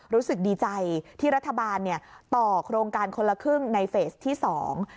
รู้สึกดีใจที่รัฐบาลเนี่ยต่อโครงการคนละครึ่งในเฟสที่สอง